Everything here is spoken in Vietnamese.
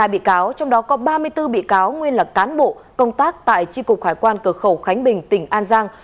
năm mươi hai bị cáo trong đó có ba mươi bốn bị cáo nguyên là cán bộ công tác tại tri cục khải quan cờ khẩu khánh bình tỉnh an giang